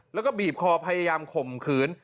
แล้วก็บีบคอพยายามข่มขืน